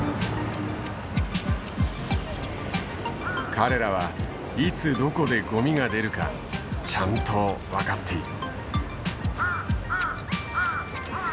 彼らはいつどこでゴミが出るかちゃんと分かっている。